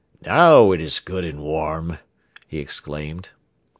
"Now it is good and warm!" he exclaimed.